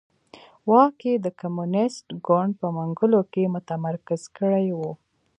واک یې د کمونېست ګوند په منګولو کې متمرکز کړی و.